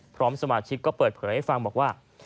พร้อมสมาชิกก็เปิดเผยให้ฟังบอกว่า